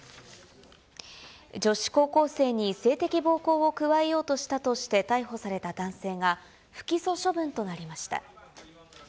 女子高校生に性的暴行を加えようとしたとして、逮捕された男性が、不起訴処分となりました。